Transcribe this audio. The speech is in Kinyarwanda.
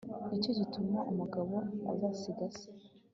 nicyo gituma umugabo azasiga se